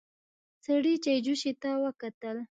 سړي چايجوشې ته وکتل.